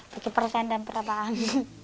bagi perasaan dan perapaan